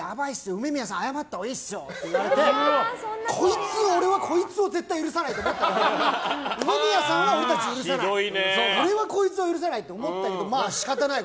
梅宮さん謝ったほうがいいっすよって言われてこいつを許さないって思ったけど梅宮さんは俺たちを許さない俺はこいつを許さないと思ったけどでも、仕方ない。